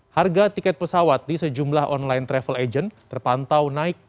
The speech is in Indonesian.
harga tiket pesawat di sejumlah online travel agent terpantau naik